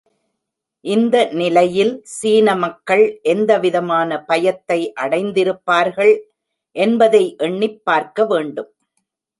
இந்த நிலையில் சீன மக்கள் எந்த விதமான பயத்தை அடைந்திருப்பார்கள் என்பதை எண்ணிப் பார்க்கவேண்டும்.